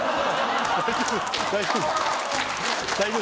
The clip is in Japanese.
大丈夫？